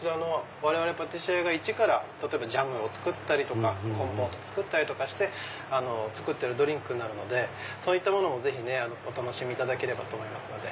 我々パティシエがイチから例えばジャムを作ったりとかコンポート作ったりとかして作ってるドリンクになるのでそういったものをぜひお楽しみいただければと思います。